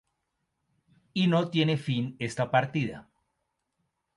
Y no tiene fin esta partida.